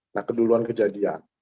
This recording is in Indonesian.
nah keduluan kejadian